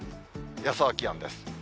予想気温です。